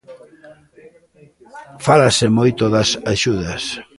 Fálase moito das axudas.